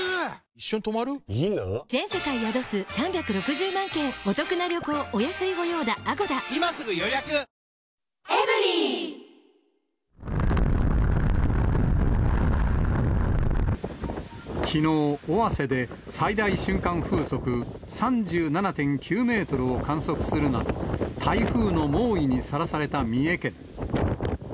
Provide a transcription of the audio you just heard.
２人とも気をつけてね家族で話そう帯状疱疹きのう、尾鷲で最大瞬間風速３７．９メートルを観測するなど、台風の猛威にさらされた三重県。